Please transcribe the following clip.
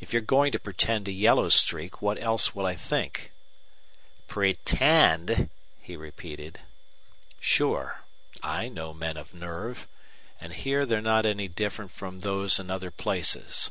"If you're going to pretend a yellow streak, what else will I think?" "Pretend?" he repeated. "Sure. I know men of nerve. And here they're not any different from those in other places.